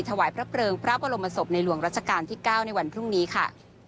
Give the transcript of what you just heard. ถวายพระเพลิงพระบรมศพในหลวงรัชกาลที่๙ในวันพรุ่งนี้ค่ะ